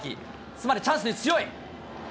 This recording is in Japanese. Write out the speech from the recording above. つまりチャンスに強い。